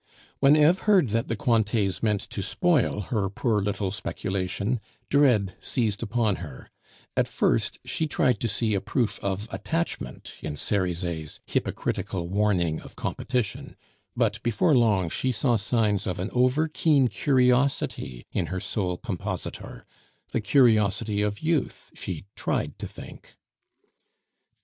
When Eve heard that the Cointets meant to spoil her poor little speculation, dread seized upon her; at first she tried to see a proof of attachment in Cerizet's hypocritical warning of competition; but before long she saw signs of an over keen curiosity in her sole compositor the curiosity of youth, she tried to think.